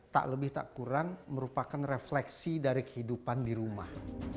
tak lebih tak kurang merupakan refleksi dari kehidupan di rumah